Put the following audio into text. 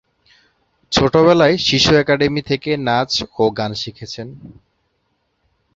ছোটবেলায় শিশু একাডেমী থেকে নাচ ও গান শিখেছেন।